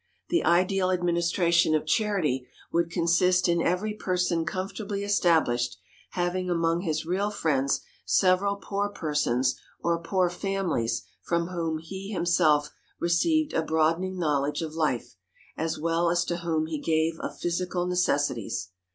The ideal administration of charity would consist in every person comfortably established, having among his real friends several poor persons or poor families from whom he himself received a broadening knowledge of life, as well as to whom he gave of physical necessities.